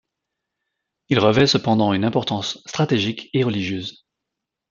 Il revêt cependant une importance stratégique et religieuse.